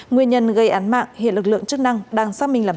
nguyên nhân gây án mạng hiện lực lượng chức năng đang xác minh làm rõ